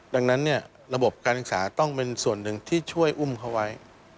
ดังนั้นระบบการศึกษาต้องเป็นส่วนหนึ่งที่ช่วยอุ้มเขาไว้